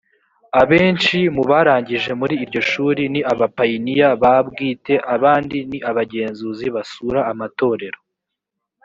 abenshi mu barangije muri iryo shuri ni abapayiniya ba bwite abandi ni abagenzuzi basura amatorero